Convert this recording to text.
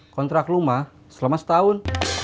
kontrak rumah selama setahun